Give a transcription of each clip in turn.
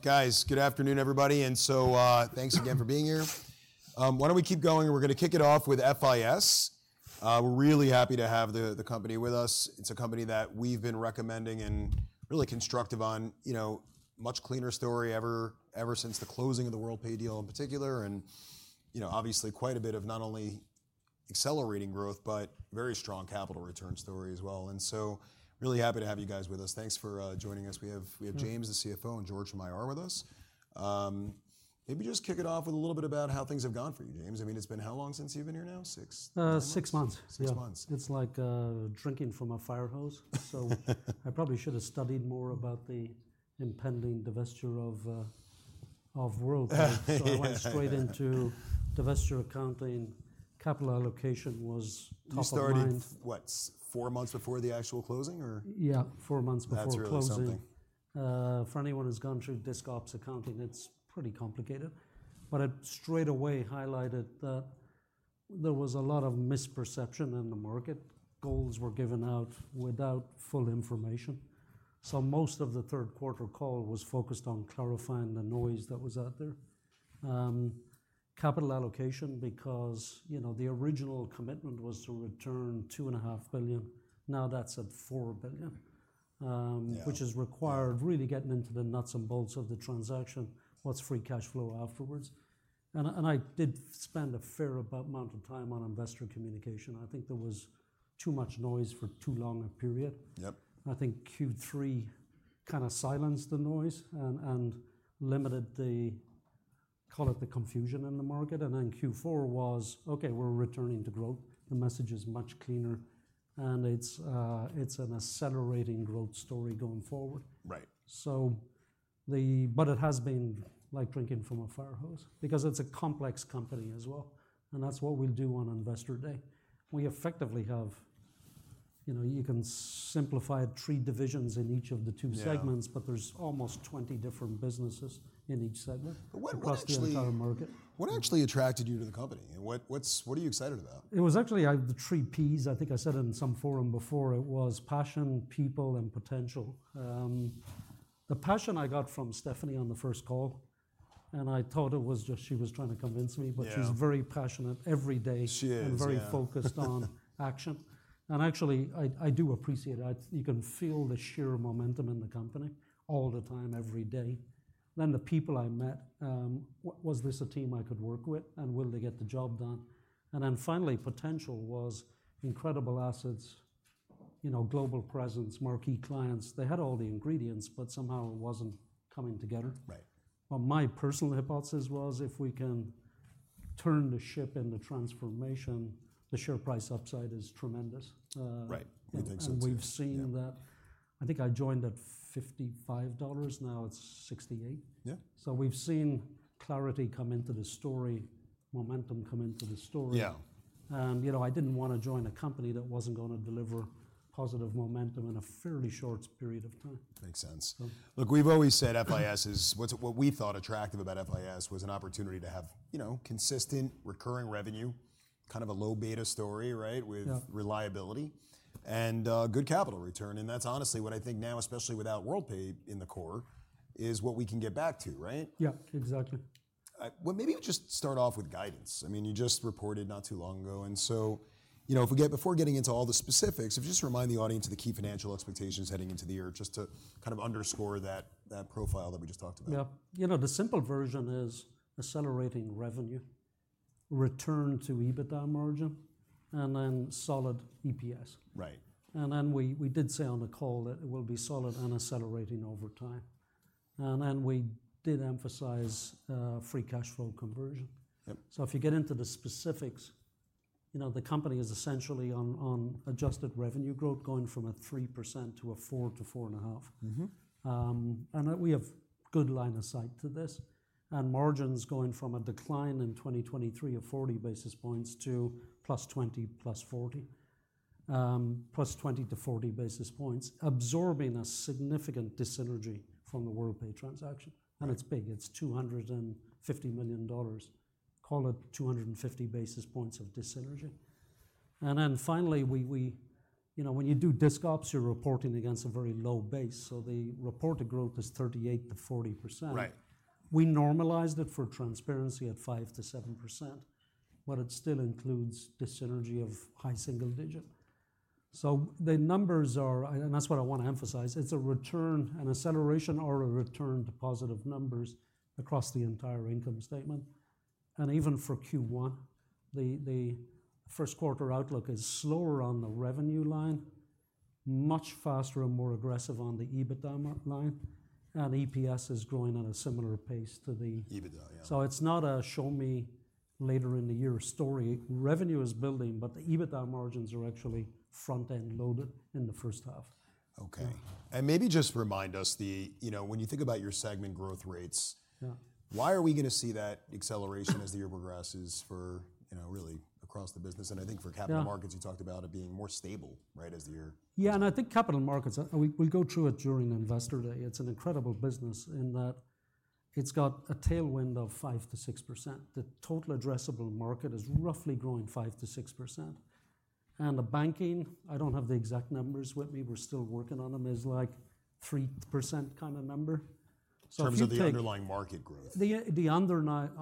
Guys, good afternoon, everybody, and so, thanks again for being here. Why don't we keep going? We're gonna kick it off with FIS. We're really happy to have the company with us. It's a company that we've been recommending and really constructive on, you know, much cleaner story ever since the closing of the Worldpay deal in particular, and, you know, obviously quite a bit of not only accelerating growth, but very strong capital return story as well, and so really happy to have you guys with us. Thanks for joining us. We have- We have James, the CFO, and George from IR with us. Maybe just kick it off with a little bit about how things have gone for you, James. I mean, it's been how long since you've been here now? Six months? Six months. Six months. Yeah. It's like drinking from a fire hose. So I probably should've studied more about the impending divestiture of Worldpay. So I went straight into divestiture accounting. Capital allocation was top of mind. You started, what, four months before the actual closing, or...? Yeah, four months before closing. That's really something. For anyone who's gone through Disc Ops accounting, it's pretty complicated. But I straight away highlighted that there was a lot of misperception in the market. Goals were given out without full information, so most of the third quarter call was focused on clarifying the noise that was out there. Capital allocation, because, you know, the original commitment was to return $2.5 billion. Now that's at $4 billion- Yeah... which has required really getting into the nuts and bolts of the transaction, what's free cash flow afterwards? And I did spend a fair amount of time on investor communication. I think there was too much noise for too long a period. Yep. I think Q3 kinda silenced the noise and limited the, call it, confusion in the market. Then Q4 was, "Okay, we're returning to growth." The message is much cleaner, and it's an accelerating growth story going forward. Right. But it has been like drinking from a fire hose because it's a complex company as well, and that's what we'll do on Investor Day. We effectively have, you know, you can simplify it, three divisions in each of the two segments- Yeah... but there's almost 20 different businesses in each segment- What actually- across the entire market. What actually attracted you to the company, and what are you excited about? It was actually, the three Ps. I think I said it in some forum before. It was passion, people, and potential. The passion I got from Stephanie on the first call, and I thought it was just she was trying to convince me- Yeah... but she's very passionate every day- She is, yeah. -and very focused on action, and actually, I do appreciate that. You can feel the sheer momentum in the company all the time, every day. Then the people I met, was this a team I could work with, and will they get the job done? And then finally, potential was incredible assets, you know, global presence, marquee clients. They had all the ingredients, but somehow it wasn't coming together. Right. Well, my personal hypothesis was, if we can turn the ship and the transformation, the share price upside is tremendous. Right. We think so, too. We've seen that. Yeah. I think I joined at $55. Now it's $68. Yeah. So we've seen clarity come into the story, momentum come into the story. Yeah. You know, I didn't want to join a company that wasn't gonna deliver positive momentum in a fairly short period of time. Makes sense. So. Look, we've always said FIS is... What we thought attractive about FIS was an opportunity to have, you know, consistent, recurring revenue, kind of a low-beta story, right? Yeah. With reliability and, good capital return, and that's honestly what I think now, especially without Worldpay in the core, is what we can get back to, right? Yeah, exactly. Well, maybe I'll just start off with guidance. I mean, you just reported not too long ago, and so, you know, if we get before getting into all the specifics, if you just remind the audience of the key financial expectations heading into the year, just to kind of underscore that, that profile that we just talked about. Yeah. You know, the simple version is accelerating revenue, return to EBITDA margin, and then solid EPS. Right. We did say on the call that it will be solid and accelerating over time. We did emphasize free cash flow conversion. Yep. So if you get into the specifics, you know, the company is essentially on adjusted revenue growth, going from 3% to 4%-4.5%. Mm-hmm. We have good line of sight to this, and margins going from a decline in 2023 of 40 basis points to +20, +40. +20 to 40 basis points, absorbing a significant dyssynergy from the Worldpay transaction, and it's big. It's $250 million, call it 250 basis points of dyssynergy. And then finally, you know, when you do Disc Ops, you're reporting against a very low base, so the reported growth is 38%-40%. Right. We normalized it for transparency at 5%-7%, but it still includes dyssynergies of high single digit. So the numbers are, and, and that's what I want to emphasize, it's a return, an acceleration or a return to positive numbers across the entire income statement. And even for Q1, the, the first quarter outlook is slower on the revenue line, much faster and more aggressive on the EBITDA m- line, and EPS is growing at a similar pace to the- EBITDA, yeah. It's not a show-me-later-in-the-year story. Revenue is building, but the EBITDA margins are actually front-end loaded in the first half. Okay, and maybe just remind us. You know, when you think about your segment growth rates- Yeah... why are we gonna see that acceleration as the year progresses for, you know, really across the business? And I think for- Yeah... capital markets, you talked about it being more stable, right, as the year- Yeah, and I think capital markets, we go through it during Investor Day. It's an incredible business in that it's got a tailwind of 5%-6%. The total addressable market is roughly growing 5%-6%... and the banking, I don't have the exact numbers with me, we're still working on them, is like 3% kind of number. So if you take- In terms of the underlying market growth? The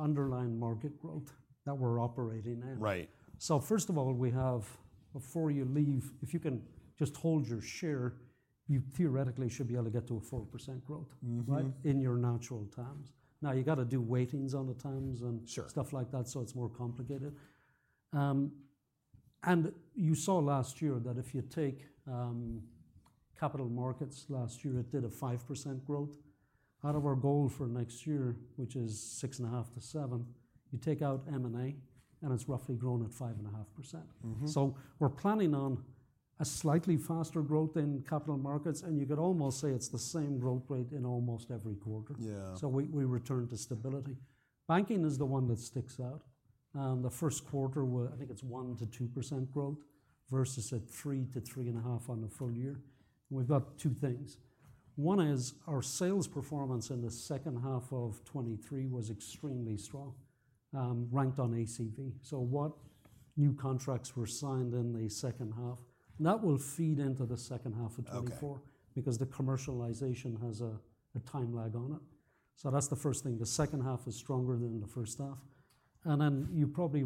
underlying market growth that we're operating in. Right. So first of all, we have, before you leave, if you can just hold your share, you theoretically should be able to get to a 4% growth- Mm-hmm... right, in your natural terms. Now, you've got to do weightings all the times and- Sure... stuff like that, so it's more complicated. And you saw last year that if you take capital markets last year, it did a 5% growth. Out of our goal for next year, which is 6.5%-7%, you take out M&A, and it's roughly grown at 5.5%. Mm-hmm. We're planning on a slightly faster growth in capital markets, and you could almost say it's the same growth rate in almost every quarter. Yeah. So we return to stability. Banking is the one that sticks out, and the first quarter, I think it's 1%-2% growth versus 3%-3.5% on the full year. We've got two things. One is our sales performance in the second half of 2023 was extremely strong, ranked on ACV. So what new contracts were signed in the second half? And that will feed into the second half of 2024- Okay... because the commercialization has a time lag on it. So that's the first thing. The second half is stronger than the first half, and then you probably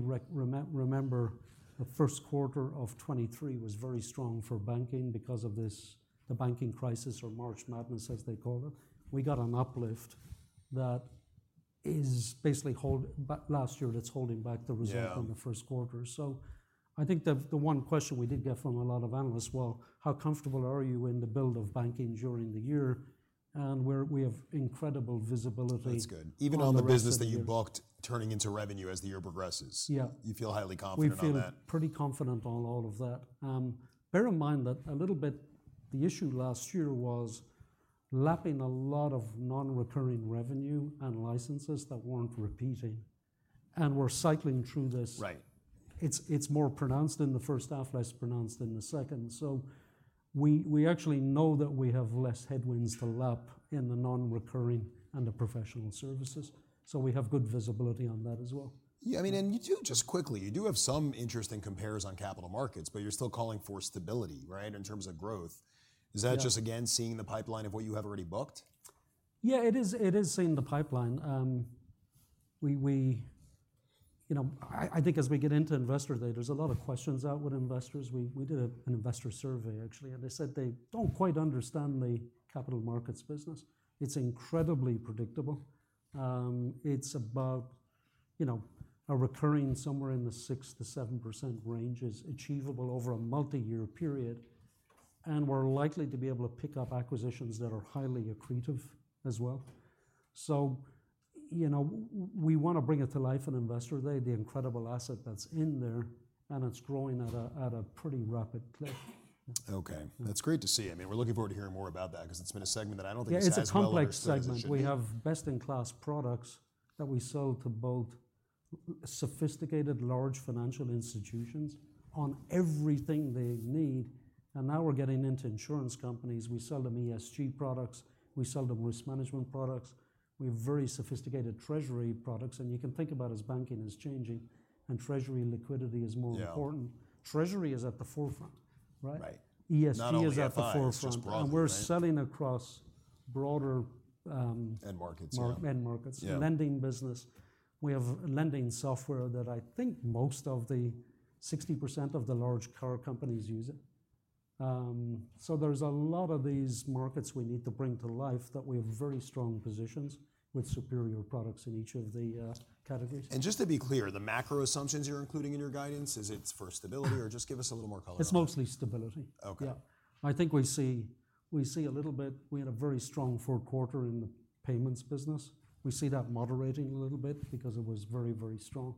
remember, the first quarter of 2023 was very strong for banking because of this, the banking crisis or March Madness, as they call it. We got an uplift that is basically holding back last year, that's holding back the result- Yeah... on the first quarter. So I think the one question we did get from a lot of analysts: Well, how comfortable are you in the build of banking during the year? And we're—we have incredible visibility- That's good... on the rest of the year. Even on the business that you booked, turning into revenue as the year progresses? Yeah. You feel highly confident on that? We feel pretty confident on all of that. Bear in mind that a little bit, the issue last year was lapping a lot of non-recurring revenue and licenses that weren't repeating, and we're cycling through this. Right. It's more pronounced in the first half, less pronounced in the second. So we actually know that we have less headwinds to lap in the non-recurring and the professional services, so we have good visibility on that as well. Yeah, I mean, and you do, just quickly, you do have some interesting compares on capital markets, but you're still calling for stability, right, in terms of growth? Yeah. Is that just, again, seeing the pipeline of what you have already booked? Yeah, it is, it is in the pipeline. You know, I think as we get into Investor Day, there's a lot of questions out with investors. We did an investor survey, actually, and they said they don't quite understand the capital markets business. It's incredibly predictable. It's about, you know, a recurring somewhere in the 6%-7% range is achievable over a multi-year period, and we're likely to be able to pick up acquisitions that are highly accretive as well. So, you know, we want to bring it to life on Investor Day, the incredible asset that's in there, and it's growing at a pretty rapid clip. Okay. That's great to see. I mean, we're looking forward to hearing more about that 'cause it's been a segment that I don't think is as well- Yeah, it's a complex segment.... understood as it should be. We have best-in-class products that we sell to both sophisticated large financial institutions on everything they need, and now we're getting into insurance companies. We sell them ESG products. We sell them risk management products. We have very sophisticated treasury products, and you can think about as banking is changing and treasury liquidity is more important- Yeah... treasury is at the forefront, right? Right. ESG is at the forefront. Not only FI, it's just broadly, right? We're selling across broader, End markets. Yeah.... end markets. Yeah. Lending business, we have lending software that I think most of the 60% of the large car companies use it. So there's a lot of these markets we need to bring to life that we have very strong positions with superior products in each of the categories. Just to be clear, the macro assumptions you're including in your guidance, is it for stability, or just give us a little more color on it? It's mostly stability. Okay. Yeah. I think we see a little bit. We had a very strong fourth quarter in the payments business. We see that moderating a little bit because it was very, very strong,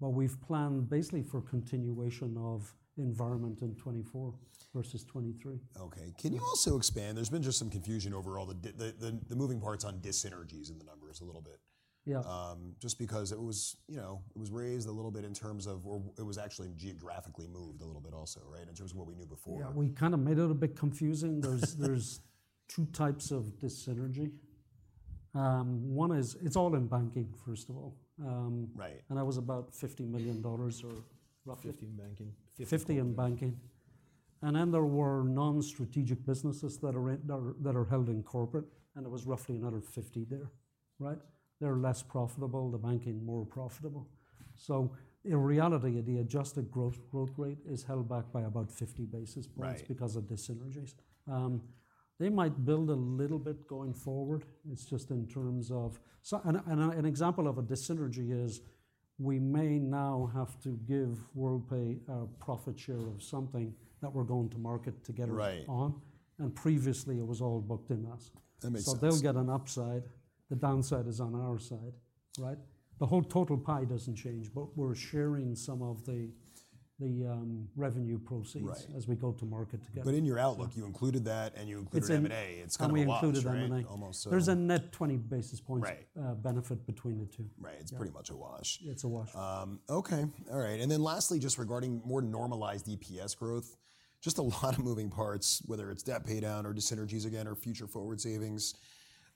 but we've planned basically for continuation of environment in 2024 versus 2023. Okay. Can you also expand? There's been just some confusion over all the moving parts on dyssynergies in the numbers a little bit. Yeah. Just because it was, you know, it was raised a little bit in terms of where it was actually geographically moved a little bit also, right? In terms of what we knew before. Yeah. We kind of made it a bit confusing. There's two types of dyssynergy. One is. It's all in banking, first of all. Right. That was about $50 million or roughly- 50 in banking. 50- 50 in banking. And then there were non-strategic businesses that are held in corporate, and it was roughly another 50 there, right? They're less profitable, the banking more profitable. So in reality, the adjusted growth rate is held back by about 50 basis points- Right... because of dyssynergies. They might build a little bit going forward. It's just in terms of... So, an example of a dyssynergy is, we may now have to give Worldpay a profit share of something that we're going to market together- Right ...on, and previously it was all booked in U.S. That makes sense. So they'll get an upside. The downside is on our side, right? The whole total pie doesn't change, but we're sharing some of the revenue proceeds- Right... as we go to market together. But in your outlook, you included that, and you included M&A. It's in- It's kind of a wash, right? We included M&A. Almost so. There's a net 20 basis points- Right... benefit between the two. Right. Yeah. It's pretty much a wash. It's a wash. Okay. All right, and then lastly, just regarding more normalized EPS growth, just a lot of moving parts, whether it's debt paydown or dyssynergies again or Future Forward savings...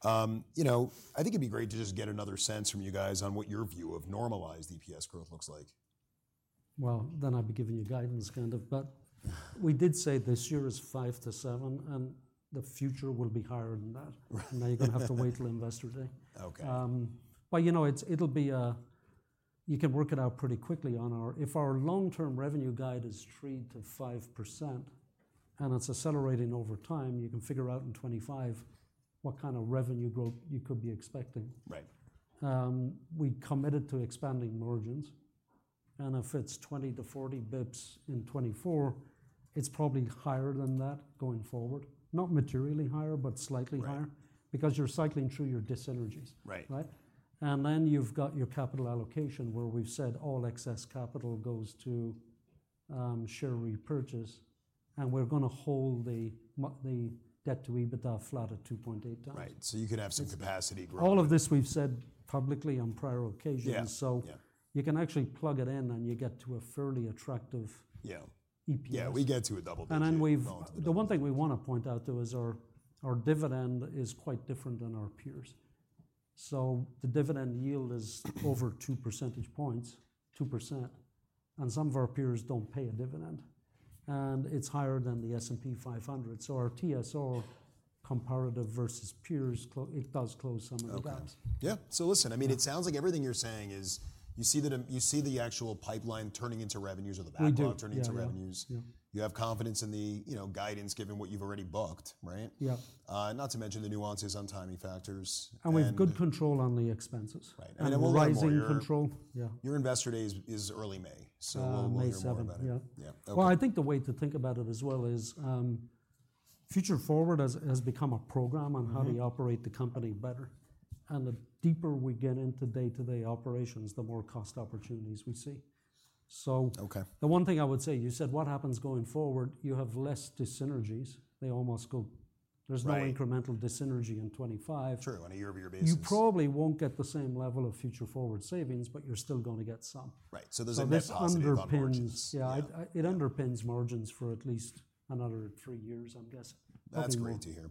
you know, I think it'd be great to just get another sense from you guys on what your view of normalized EPS growth looks like. Well, then I'd be giving you guidance, kind of, but we did say this year is five to seven, and the future will be higher than that. Right. Now, you're gonna have to wait till Investor Day. Okay. You know, it'll be a... You can work it out pretty quickly on our, if our long-term revenue guide is 3%-5%, and it's accelerating over time, you can figure out in 2025 what kind of revenue growth you could be expecting. Right. We committed to expanding margins, and if it's 20-40 basis points in 2024, it's probably higher than that going forward. Not materially higher, but slightly higher- Right. because you're cycling through your dyssynergies. Right. Right? And then you've got your capital allocation, where we've said all excess capital goes to share repurchase, and we're gonna hold the debt to EBITDA flat at 2.8x. Right, so you could have some capacity growth. All of this we've said publicly on prior occasions. Yeah, yeah. So you can actually plug it in, and you get to a fairly attractive- Yeah... EPS. Yeah, we get to a double digit. And then we've- Well, not a double. The one thing we want to point out, though, is our, our dividend is quite different than our peers. So the dividend yield is over 2 percentage points, 2%, and some of our peers don't pay a dividend, and it's higher than the S&P 500. So our TSR comparative versus peers it does close some of the gaps. Okay. Yeah, so listen, I mean, it sounds like everything you're saying is you see that... You see the actual pipeline turning into revenues or the backlog- We do. turning into revenues. Yeah, yeah. You have confidence in the, you know, guidance, given what you've already booked, right? Yeah. not to mention the nuances on timing factors and- We have good control on the expenses. Right, and we'll learn more. And rising control. Yeah. Your Investor Day is early May, so- May seventh.... we'll learn more about it. Yeah. Yeah. Okay. Well, I think the way to think about it as well is, Future Forward has become a program on- Mm-hmm... how do you operate the company better? And the deeper we get into day-to-day operations, the more cost opportunities we see. So- Okay. The one thing I would say, you said, what happens going forward? You have less dyssynergies. They almost go- Right. There's no incremental dyssynergy in 2025. True, on a year-over-year basis. You probably won't get the same level of Future Forward savings, but you're still gonna get some. Right. So there's a net positive on margins. This underpins... Yeah- Yeah... it underpins margins for at least another three years, I'm guessing, maybe more. That's great to hear.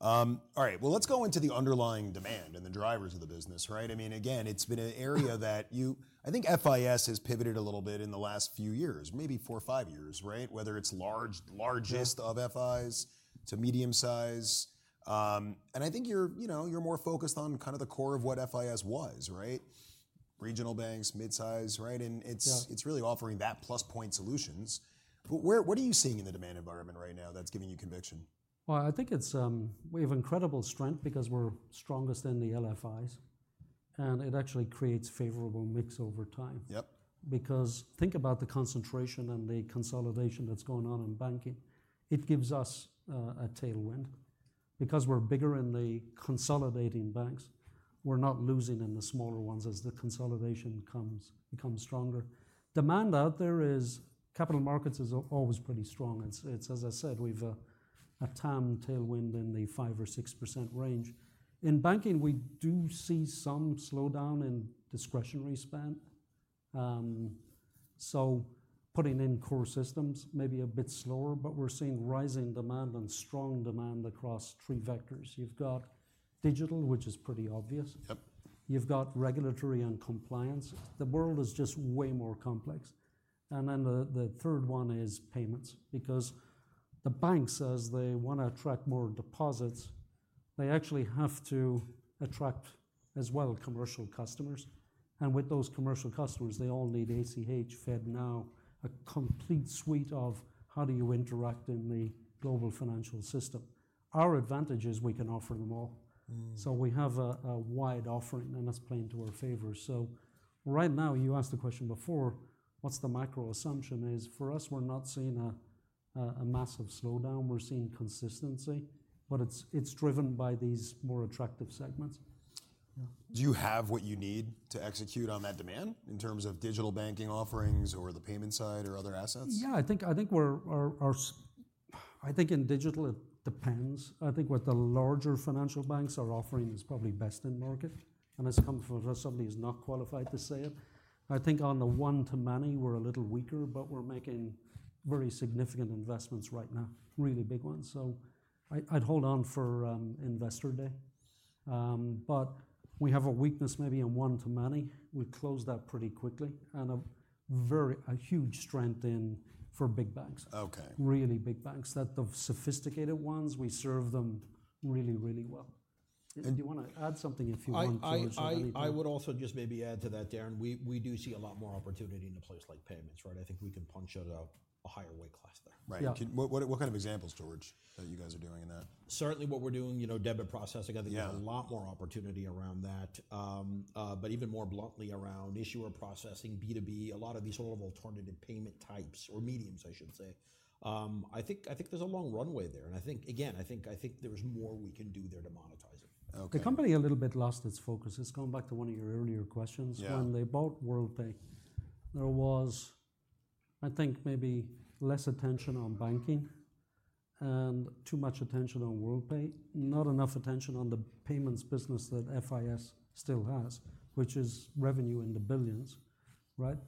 Yeah. All right, well, let's go into the underlying demand and the drivers of the business, right? I mean, again, it's been an area that you-- I think FIS has pivoted a little bit in the last few years, maybe four or five years, right? Whether it's large, largest of FIs to medium-size, and I think you're, you know, you're more focused on kind of the core of what FIS was, right? Regional banks, mid-size, right? Yeah. It's, it's really offering that plus point solutions. Where, what are you seeing in the demand environment right now that's giving you conviction? Well, I think it's we have incredible strength because we're strongest in the LFIs, and it actually creates favorable mix over time. Yep. Because think about the concentration and the consolidation that's going on in banking. It gives us a tailwind. Because we're bigger in the consolidating banks, we're not losing in the smaller ones as the consolidation becomes stronger. Demand out there is, capital markets is always pretty strong. It's, as I said, we've a TAM tailwind in the 5%-6% range. In banking, we do see some slowdown in discretionary spend. So putting in core systems may be a bit slower, but we're seeing rising demand and strong demand across 3 vectors. You've got digital, which is pretty obvious. Yep. You've got regulatory and compliance. The world is just way more complex. And then the, the third one is payments, because the banks, as they want to attract more deposits, they actually have to attract, as well, commercial customers, and with those commercial customers, they all need ACH FedNow, a complete suite of how do you interact in the global financial system? Our advantage is we can offer them all. Mm. So we have a wide offering, and that's playing to our favor. So right now, you asked the question before, what's the macro assumption is? For us, we're not seeing a massive slowdown. We're seeing consistency, but it's driven by these more attractive segments. Yeah. Do you have what you need to execute on that demand, in terms of digital banking offerings or the payment side or other assets? Yeah, I think in digital, it depends. I think what the larger financial banks are offering is probably best in market, and that's coming from somebody who's not qualified to say it. I think on the one-to-many, we're a little weaker, but we're making very significant investments right now, really big ones. So I'd hold on for Investor Day. But we have a weakness maybe in one-to-many. We've closed that pretty quickly and a huge strength in for big banks. Okay. Really big banks, that the sophisticated ones, we serve them really, really well. Do you want to add something, if you want, George, by any means? I would also just maybe add to that, Darrin. We do see a lot more opportunity in a place like payments, right? I think we can punch it up a higher weight class there. Right. Yeah. What kind of examples, George, that you guys are doing in that? Certainly, what we're doing, you know, debit processing- Yeah... I think there's a lot more opportunity around that. But even more bluntly, around issuer processing, B2B, a lot of these sort of alternative payment types or mediums, I should say. I think there's a long runway there, and I think, again, there's more we can do there to monetize it. Okay. The company a little bit lost its focus. Just going back to one of your earlier questions- Yeah... when they bought Worldpay, there was, I think, maybe less attention on banking and too much attention on Worldpay, not enough attention on the payments business that FIS still has, which is revenue in the billions.... right?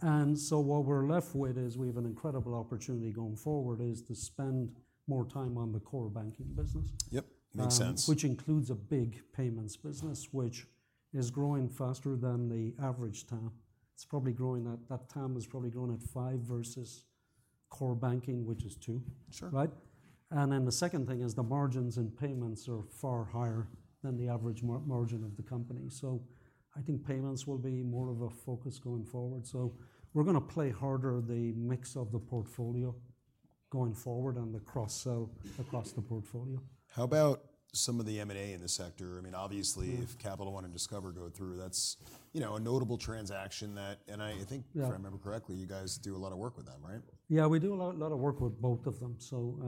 And so what we're left with is we have an incredible opportunity going forward, is to spend more time on the core banking business. Yep, makes sense. which includes a big payments business, which is growing faster than the average TAM. That TAM is probably growing at 5 versus core banking, which is two. Sure. Right? Then the second thing is the margins in payments are far higher than the average margin of the company. So I think payments will be more of a focus going forward. So we're gonna play harder the mix of the portfolio going forward and the cross-sell across the portfolio. How about some of the M&A in the sector? I mean, obviously- Mm... if Capital One and Discover go through, that's, you know, a notable transaction that, and I, I think- Yeah... if I remember correctly, you guys do a lot of work with them, right? Yeah, we do a lot of work with both of them. So,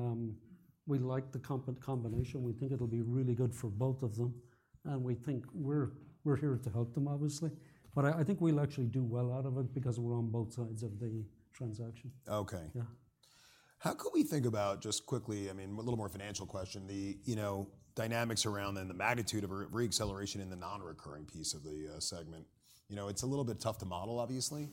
we like the combination. We think it'll be really good for both of them, and we think we're here to help them, obviously. But I think we'll actually do well out of it because we're on both sides of the transaction. Okay. Yeah. How could we think about, just quickly, I mean, a little more financial question, the, you know, dynamics around and the magnitude of reacceleration in the non-recurring piece of the segment? You know, it's a little bit tough to model, obviously.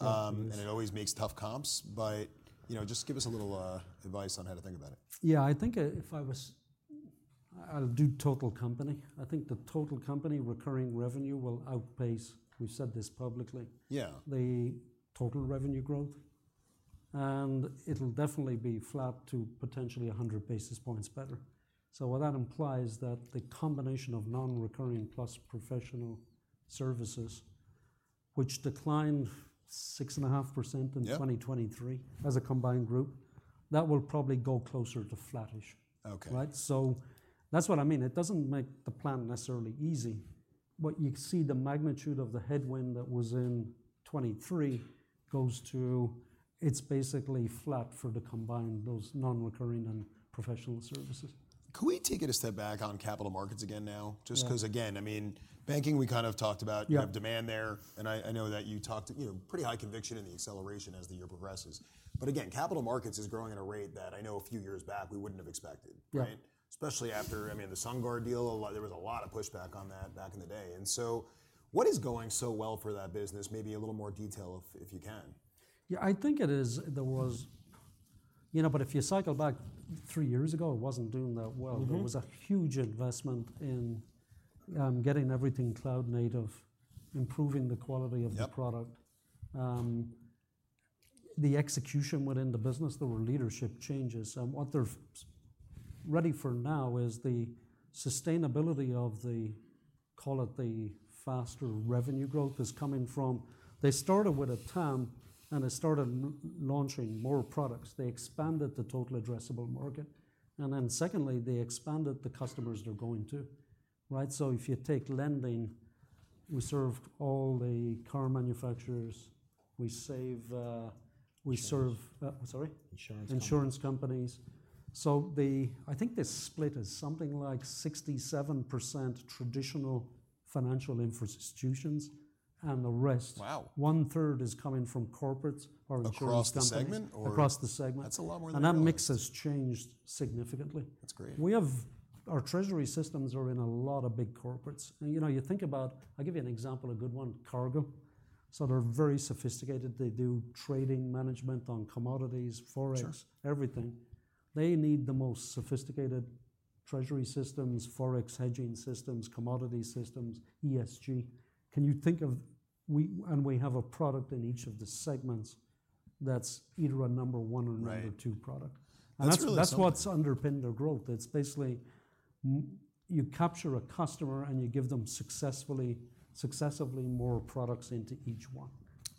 Yeah, it is. It always makes tough comps, but you know, just give us a little advice on how to think about it. Yeah, I think, if I was—I'll do total company. I think the total company recurring revenue will outpace. We've said this publicly- Yeah... the total revenue growth, and it'll definitely be flat to potentially 100 basis points better. So what that implies that the combination of non-recurring plus professional services, which declined 6.5% in 2023- Yeah... as a combined group, that will probably go closer to flattish. Okay. Right? So that's what I mean. It doesn't make the plan necessarily easy, but you see the magnitude of the headwind that was in 2023 goes to... It's basically flat for the combined, those non-recurring and professional services. Could we take it a step back on capital markets again now? Yeah. Just 'cause, again, I mean, banking, we kind of talked about. Yeah. You have demand there, and I know that you talked, you know, pretty high conviction in the acceleration as the year progresses. But again, capital markets is growing at a rate that I know a few years back we wouldn't have expected, right? Yeah. Especially after, I mean, the SunGard deal, a lot, there was a lot of pushback on that back in the day. And so what is going so well for that business? Maybe a little more detail if you can. Yeah, I think it is. There was... You know, but if you cycle back three years ago, it wasn't doing that well. Mm-hmm. There was a huge investment in getting everything cloud native, improving the quality of the product. Yep. The execution within the business, there were leadership changes, and what they're ready for now is the sustainability of the, call it, the faster revenue growth is coming from... They started with a TAM, and they started launching more products. They expanded the total addressable market, and then secondly, they expanded the customers they're going to, right? So if you take lending, we served all the car manufacturers. We save, Insurance. We serve, sorry? Insurance companies. Insurance companies. So I think the split is something like 67% traditional financial institutions and the rest- Wow!... one third is coming from corporates or insurance companies. Across the segment, or? Across the segment. That's a lot more than I realized. And that mix has changed significantly. That's great. Our treasury systems are in a lot of big corporates. You know, you think about... I'll give you an example, a good one, Cargill. So they're very sophisticated. They do trading management on commodities, Forex- Sure... everything. They need the most sophisticated treasury systems, Forex hedging systems, commodity systems, ESG. Can you think of... And we have a product in each of the segments that's either a number 1 or number 2 product. Right. That's really something. And that's, that's what's underpinned their growth. It's basically you capture a customer, and you give them successfully, successively more products into each one.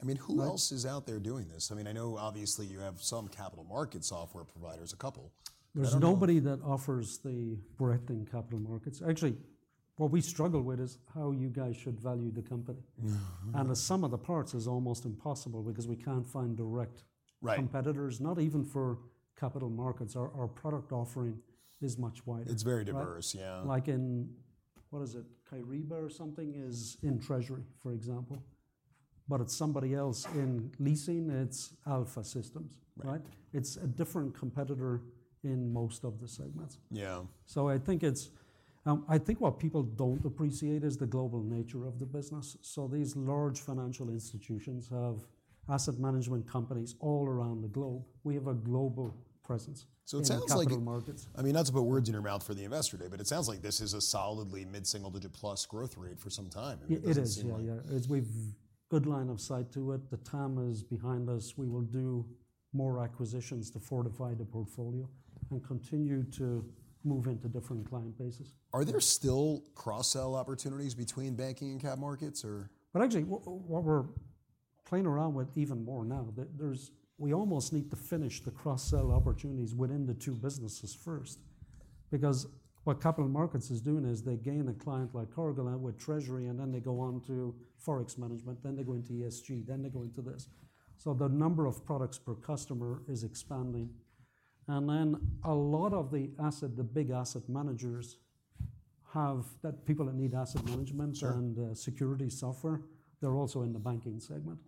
I mean, who else? Right... is out there doing this? I mean, I know obviously you have some capital market software providers, a couple, but I don't know. There's nobody that offers the breadth in capital markets. Actually, what we struggle with is how you guys should value the company. Mm-hmm. And the sum of the parts is almost impossible because we can't find direct- Right... competitors, not even for capital markets. Our product offering is much wider. It's very diverse- Right... yeah. Like in, what is it? Kyriba or something is in treasury, for example, but it's somebody else in leasing. It's Alfa Systems, right? Right. It's a different competitor in most of the segments. Yeah. I think it's, I think what people don't appreciate is the global nature of the business. These large financial institutions have asset management companies all around the globe. We have a global presence- So it sounds like-... in capital markets... I mean, not to put words in your mouth for the investor day, but it sounds like this is a solidly mid-single-digit plus growth rate for some time. I mean, it doesn't seem like- It is, yeah, yeah. It's, we've good line of sight to it. The TAM is behind us. We will do more acquisitions to fortify the portfolio and continue to move into different client bases. Are there still cross-sell opportunities between banking and cap markets or? Well, actually, what we're playing around with even more now. We almost need to finish the cross-sell opportunities within the two businesses first, because what capital markets is doing is they gain a client like Cargill with treasury, and then they go on to Forex management, then they go into ESG, then they go into this. So the number of products per customer is expanding, and then a lot of the big asset managers have... That people that need asset management- Sure... and, security software, they're also in the banking segment,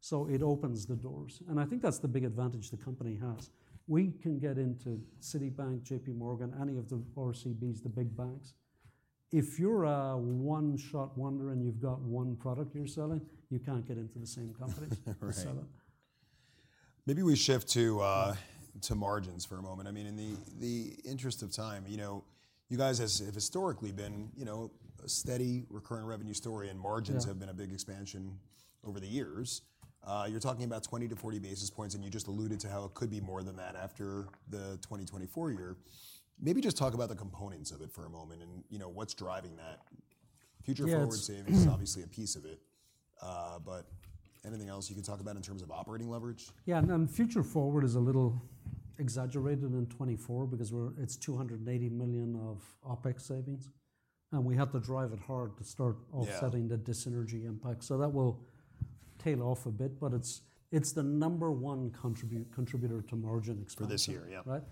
so it opens the doors. I think that's the big advantage the company has. We can get into Citibank, J.P. Morgan, any of the four CBs, the big banks... if you're a one-shot wonder, and you've got one product you're selling, you can't get into the same company- Right. to sell it. Maybe we shift to margins for a moment. I mean, in the interest of time, you know, you guys has, have historically been, you know, a steady recurring revenue story, and margins- Yeah -have been a big expansion over the years. You're talking about 20-40 basis points, and you just alluded to how it could be more than that after the 2024 year. Maybe just talk about the components of it for a moment and, you know, what's driving that. Yeah, it's- Future Forward savings is obviously a piece of it, but anything else you can talk about in terms of operating leverage? Yeah, and Future Forward is a little exaggerated in 2024 because we're, it's $280 million of OpEx savings, and we have to drive it hard to start- Yeah... offsetting the dyssynergy impact. So that will tail off a bit, but it's the number one contributor to margin expansion. For this year, yeah. Right?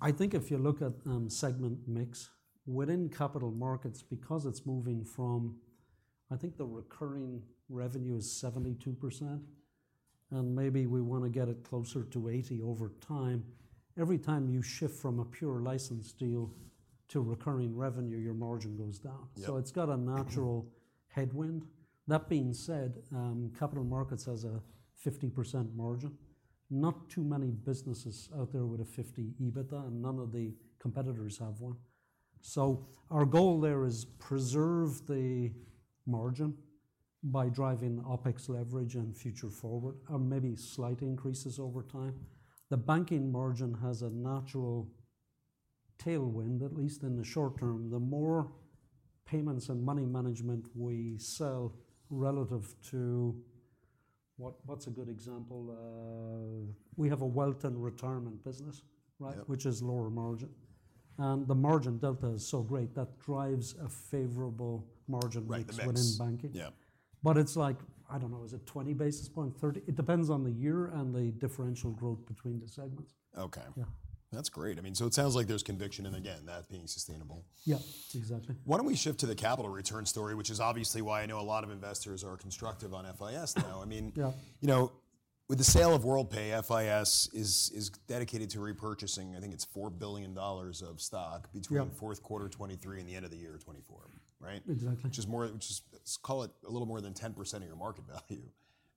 I think if you look at, segment mix, within Capital Markets, because it's moving from, I think the recurring revenue is 72%, and maybe we want to get it closer to 80% over time. Every time you shift from a pure license deal to recurring revenue, your margin goes down. Yeah. So it's got a natural headwind. That being said, capital markets has a 50% margin. Not too many businesses out there with a 50% EBITDA, and none of the competitors have one. So our goal there is preserve the margin by driving OpEx leverage and Future Forward, or maybe slight increases over time. The banking margin has a natural tailwind, at least in the short term. The more payments and money management we sell relative to... What, what's a good example? We have a wealth and retirement business, right- Yeah... which is lower margin, and the margin delta is so great, that drives a favorable margin mix- Right, the mix... within banking. Yeah. But it's like, I don't know, is it 20 basis points, 30? It depends on the year and the differential growth between the segments. Okay. Yeah. That's great. I mean, so it sounds like there's conviction and again, that being sustainable. Yeah, exactly. Why don't we shift to the capital return story, which is obviously why I know a lot of investors are constructive on FIS now. Yeah. I mean, you know, with the sale of Worldpay, FIS is dedicated to repurchasing, I think it's $4 billion of stock- Yeah... between the fourth quarter 2023 and the end of the year 2024, right? Exactly. Which is, let's call it a little more than 10% of your market value.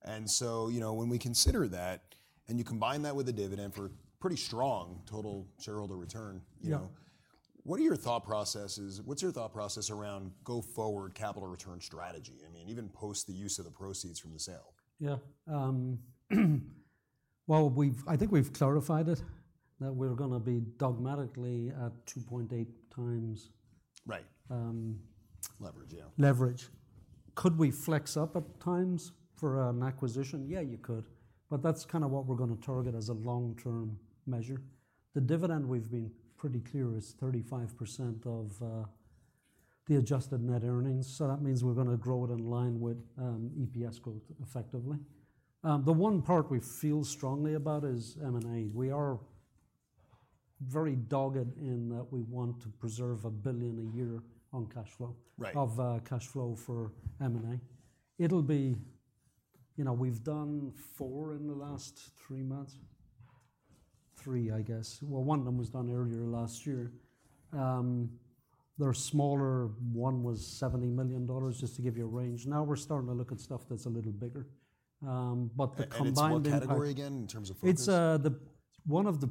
And so, you know, when we consider that, and you combine that with the dividend for pretty strong total shareholder return- Yeah... you know, what are your thought processes? What's your thought process around go-forward capital return strategy? I mean, even post the use of the proceeds from the sale. Yeah. Well, I think we've clarified it, that we're gonna be dogmatically at 2.8x. Right. Um- Leverage, yeah. Leverage. Could we flex up at times for an acquisition? Yeah, you could, but that's kind of what we're gonna target as a long-term measure. The dividend, we've been pretty clear, is 35% of the adjusted net earnings, so that means we're gonna grow it in line with EPS growth effectively. The one part we feel strongly about is M&A. We are very dogged in that we want to preserve $1 billion a year on cash flow- Right... of cash flow for M&A. It'll be... You know, we've done four in the last three months. Three, I guess. Well, one of them was done earlier last year. They're smaller. One was $70 million, just to give you a range. Now we're starting to look at stuff that's a little bigger. But the combined impact- It's what category again, in terms of focus? It's one of the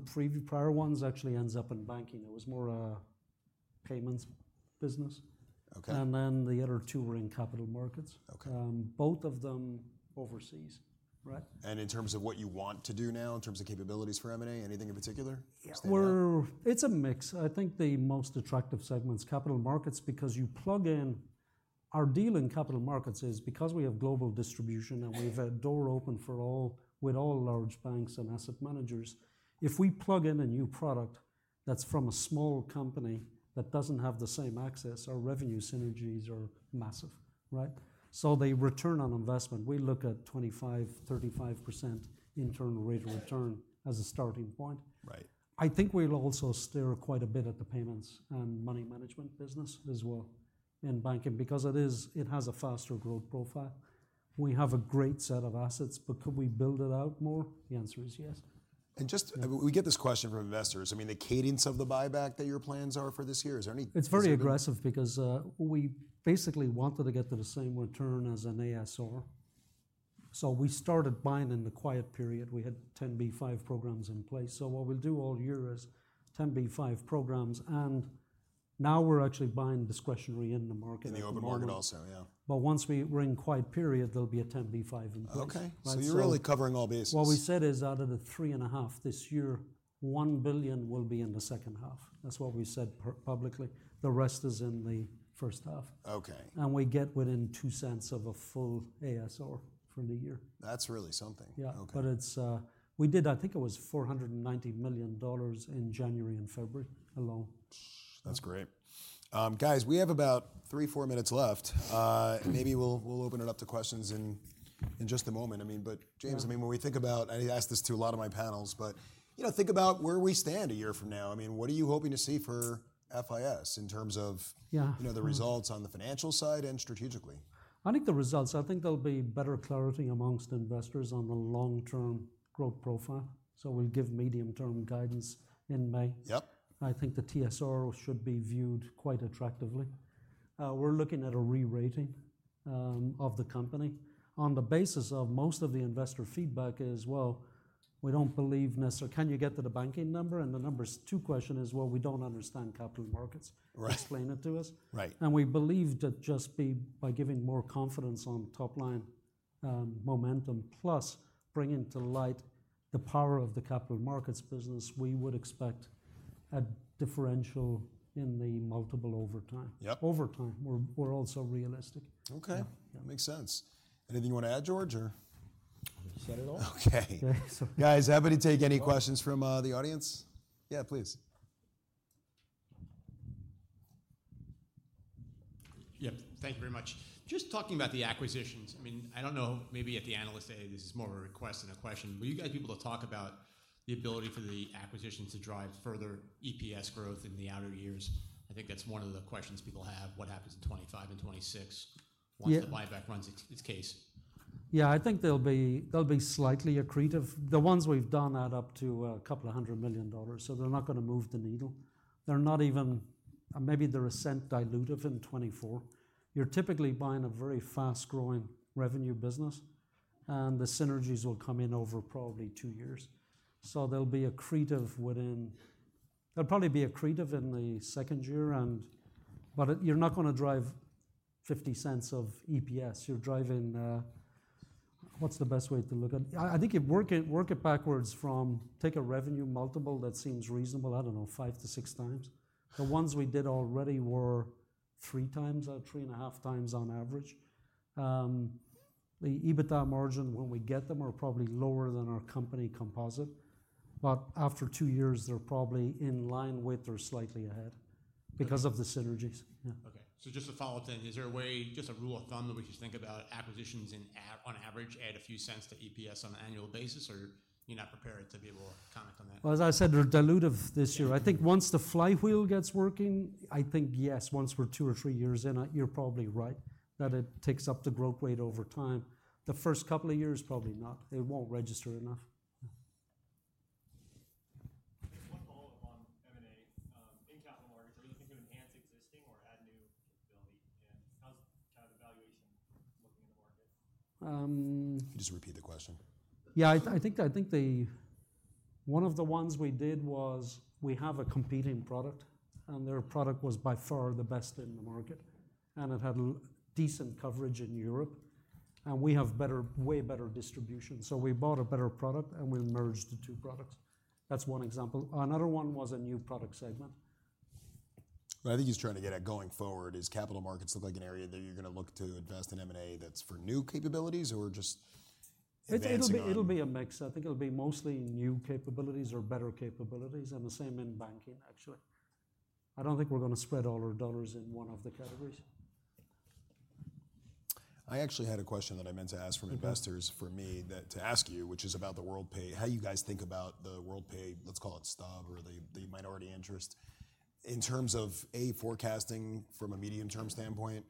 prior ones actually ends up in banking. It was more a payments business. Okay. And then the other two were in capital markets. Okay. Both of them overseas, right? In terms of what you want to do now, in terms of capabilities for M&A, anything in particular? Stand out? It's a mix. I think the most attractive segment's capital markets because you plug in. Our deal in capital markets is, because we have global distribution and we've a door open for all, with all large banks and asset managers, if we plug in a new product that's from a small company that doesn't have the same access, our revenue synergies are massive, right? So the return on investment, we look at 25%-35% internal rate of return- Right... as a starting point. Right. I think we'll also stare quite a bit at the payments and money management business as well in banking, because it is, it has a faster growth profile. We have a great set of assets, but could we build it out more? The answer is yes. And just- Yeah. We get this question from investors: I mean, the cadence of the buyback that your plans are for this year, is there any specific- It's very aggressive because we basically wanted to get to the same return as an ASR, so we started buying in the quiet period. We had 10b5-1 programs in place. So what we'll do all year is 10b5-1 programs, and now we're actually buying discretionary in the market at the moment. In the open market also, yeah. But once we're in quiet period, there'll be a 10b5-1 in place. Okay. Right, so- So you're really covering all bases. What we said is, out of the $3.5 billion this year, $1 billion will be in the second half. That's what we said publicly. The rest is in the first half. Okay. We get within $0.02 of a full ASR for the year. That's really something. Yeah. Okay. But it's... We did, I think it was $490 million in January and February alone. That's great. Guys, we have about three, four minutes left. Maybe we'll open it up to questions in just a moment. I mean, but James- Yeah... I mean, when we think about, and I ask this to a lot of my panels, but, you know, think about where we stand a year from now. I mean, what are you hoping to see for FIS in terms of- Yeah... you know, the results on the financial side and strategically?... I think the results, I think there'll be better clarity among investors on the long-term growth profile, so we'll give medium-term guidance in May. Yep. I think the TSR should be viewed quite attractively. We're looking at a re-rating of the company. On the basis of most of the investor feedback is: Well, we don't believe necessarily... Can you get to the banking number? And the number two question is: Well, we don't understand capital markets. Right. Explain it to us. Right. We believe that just by giving more confidence on top-line momentum, plus bringing to light the power of the capital markets business, we would expect a differential in the multiple over time. Yep. Over time. We're, we're also realistic. Okay. Yeah. Makes sense. Anything you want to add, George, or? I think you said it all. Okay. Guys, happy to take any questions from, the audience. Yeah, please. Yep. Thank you very much. Just talking about the acquisitions, I mean, I don't know, maybe at the analyst day, this is more of a request than a question, but you got people to talk about the ability for the acquisitions to drive further EPS growth in the outer years. I think that's one of the questions people have. What happens in 2025 and 2026- Yeah... once the buyback runs its course? Yeah, I think they'll be, they'll be slightly accretive. The ones we've done add up to $200 million, so they're not gonna move the needle. They're not even... Maybe they're a cent dilutive in 2024. You're typically buying a very fast-growing revenue business, and the synergies will come in over probably two years. So they'll be accretive within-- they'll probably be accretive in the second year and... But it-- you're not gonna drive $0.50 of EPS. You're driving... What's the best way to look at it? I, I think you work it, work it backwards from, take a revenue multiple that seems reasonable, I don't know, 5x-6x. The ones we did already were 3x, 3.5x on average. The EBITDA margin, when we get them, are probably lower than our company composite, but after two years, they're probably in line with or slightly ahead- Okay... because of the synergies. Yeah. Okay. So just a follow-up then. Is there a way, just a rule of thumb that we should think about acquisitions on average add a few cents to EPS on an annual basis, or you're not prepared to be able to comment on that? Well, as I said, they're dilutive this year. I think once the flywheel gets working, I think yes, once we're two or three years in, you're probably right, that it takes up the growth rate over time. The first couple of years, probably not. It won't register enough. One follow-up on M&A. In capital markets, are you looking to enhance existing or add new capability? And how's kind of the valuation looking in the market? Um- Can you just repeat the question? Yeah, I think one of the ones we did was, we have a competing product, and their product was by far the best in the market, and it had decent coverage in Europe, and we have better—way better distribution. So we bought a better product, and we merged the two products. That's one example. Another one was a new product segment. I think he's trying to get at going forward. Does capital markets look like an area that you're gonna look to invest in M&A that's for new capabilities or just advancing on? It'll be, it'll be a mix. I think it'll be mostly new capabilities or better capabilities, and the same in banking, actually. I don't think we're gonna spread all our dollars in one of the categories. I actually had a question that I meant to ask from investors-... for me, that to ask you, which is about the Worldpay. How you guys think about the Worldpay, let's call it stub or the minority interest, in terms of, A, forecasting from a medium-term standpoint,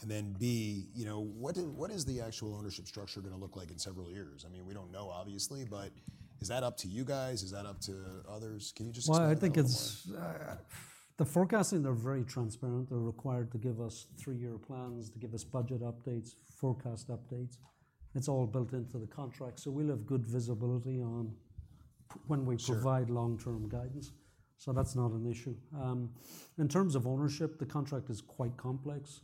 and then, B, you know, what is the actual ownership structure gonna look like in several years? I mean, we don't know, obviously, but is that up to you guys? Is that up to others? Can you just explain a little more? Well, I think it's. The forecasting, they're very transparent. They're required to give us three-year plans, to give us budget updates, forecast updates. It's all built into the contract, so we'll have good visibility on when we- Sure... provide long-term guidance. That's not an issue. In terms of ownership, the contract is quite complex.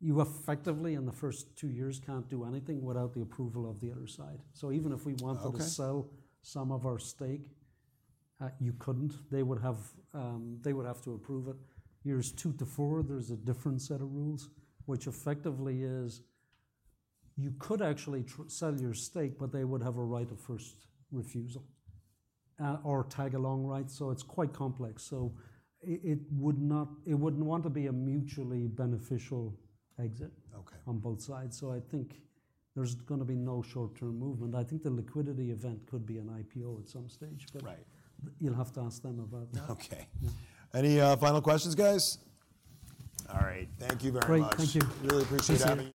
You effectively, in the first two years, can't do anything without the approval of the other side. So even if we wanted- Okay... to sell some of our stake, you couldn't. They would have, they would have to approve it. Years two to four, there's a different set of rules, which effectively is, you could actually sell your stake, but they would have a right of first refusal, or tag-along right, so it's quite complex. So it would want to be a mutually beneficial exit- Okay... on both sides. So I think there's gonna be no short-term movement. I think the liquidity event could be an IPO at some stage, but- Right... you'll have to ask them about that. Okay. Yeah. Any final questions, guys? All right. Thank you very much. Great, thank you. Really appreciate you having me.